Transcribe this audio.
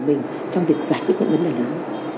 của mình trong việc giải quyết những vấn đề lớn